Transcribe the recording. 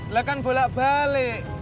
lah kan bolak balik